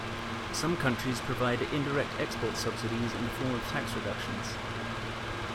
Some countries provide indirect export subsidies in the form of tax reductions.